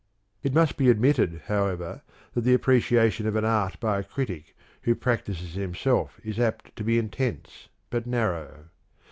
It must be admitted, however, that the appreciation of an art by a critic who practises himself is apt to be intense, but narrow.